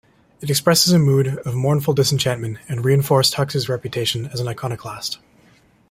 It expresses a mood of mournful disenchantment and reinforced Huxley's reputation as an iconoclast.